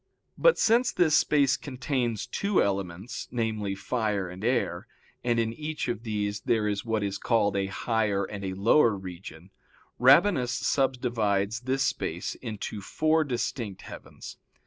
But since this space contains two elements, namely, fire and air, and in each of these there is what is called a higher and a lower region Rabanus subdivides this space into four distinct heavens.